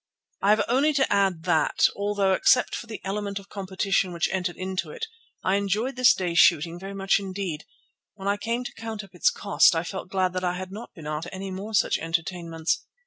I have only to add that, although, except for the element of competition which entered into it, I enjoyed this day's shooting very much indeed, when I came to count up its cost I felt glad that I had not been asked to any more such entertainments.